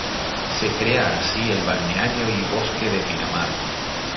Se crea así el Balneario y Bosque de Pinamar.